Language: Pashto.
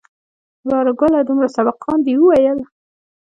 وراره گله دومره سبقان دې وويل.